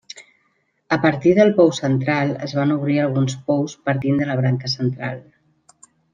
A partir del pou central es van obrir alguns pous partint de la branca central.